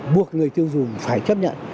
buộc người tiêu dùng phải chấp nhận